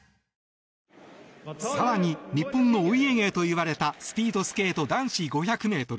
更に、日本のお家芸といわれたスピードスケート男子５００ｍ。